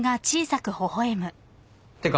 ってか